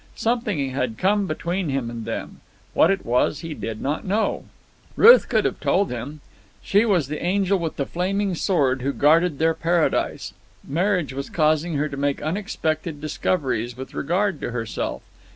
Something had come between him and them. What it was he did not know. Ruth could have told him. She was the angel with the flaming sword who guarded their paradise. Marriage was causing her to make unexpected discoveries with regard to herself.